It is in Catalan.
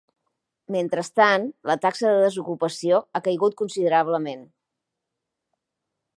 Mentrestant, la taxa de desocupació ha caigut considerablement.